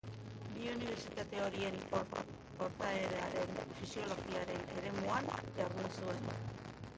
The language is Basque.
Bi unibertsitate horietan portaeraren fisiologiaren eremuan jardun zuen.